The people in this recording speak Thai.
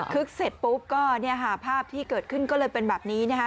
ึกเสร็จปุ๊บก็เนี่ยค่ะภาพที่เกิดขึ้นก็เลยเป็นแบบนี้นะคะ